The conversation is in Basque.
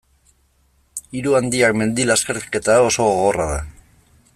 Hiru handiak mendi-lasterketa oso gogorra da.